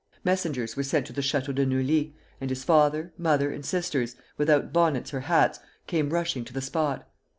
Messengers were sent to the Château de Neuilly, and his father, mother, and sisters, without bonnets or hats, came rushing to the spot.